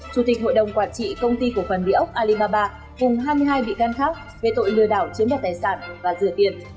chủ tịch hội đồng quản trị công ty cổ phần vĩ ốc alibaba vùng hai mươi hai bị căn khắc về tội lừa đảo chiếm đặt tài sản và rửa tiền